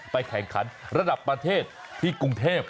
แข่งขันระดับประเทศที่กรุงเทพ